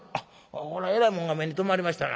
こらえらいもんが目に留まりましたな。